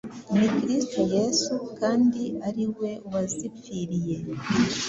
Ni Kristo Yesu, kandi ari we wazipfiriye;